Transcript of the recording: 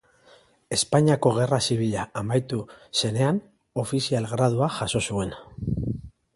Espainiako Gerra Zibila amaitu zenean, ofizial gradua jaso zuen.